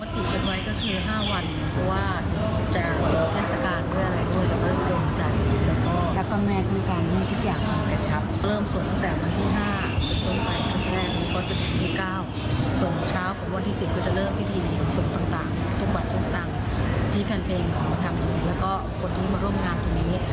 ที่แฟนเพลงและคนที่มาร่วมงานตรงนี้